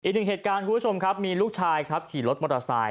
อีกหนึ่งเหตุการณ์ผู้ชมครับมีลูกชายขี่รถมัตตาไซค์